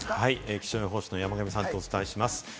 気象予報士の山神さんとお伝えします。